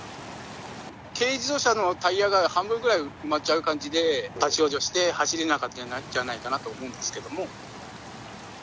軽自動車のタイヤが半分ぐらい埋まっちゃう感じで、立往生して、走れなかったんじゃないかなと思うんですけども。